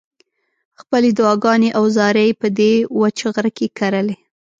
خپلې دعاګانې او زارۍ یې په دې وچ غره کې کرلې.